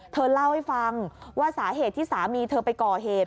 เธอเล่าให้ฟังว่าสาเหตุที่สามีเธอไปก่อเหตุ